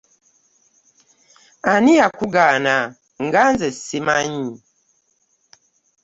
Ani yakugaana nga nze ssimanyi?